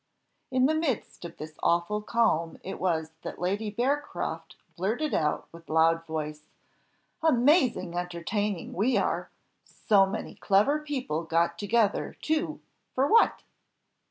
In the midst of this awful calm it was that Lady Bearcroft blurted out with loud voice "Amazing entertaining we are! so many clever people got together, too, for what?"